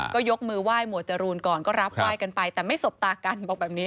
ก็ยกมือไหว้หมวดจรูนก่อนก็รับไหว้กันไปแต่ไม่สบตากันบอกแบบนี้